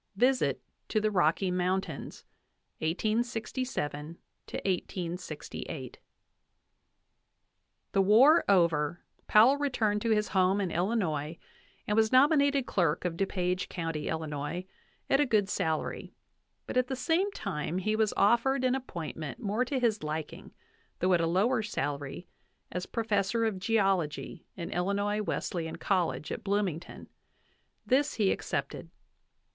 VISIT TO THE ROCKY MOUNTAINS, 1867 1868. The war over, Powell returned to his home in Illinois and was nominated clerk of Du Page County, Illinois, at a good salary; but at the same time he was offered an appointment more to his liking, though at a lower salary, as professor of geology in Illinois Wesleyan College, at Bloomington; this he accepted.